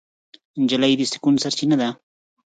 نجلۍ د سکون سرچینه ده.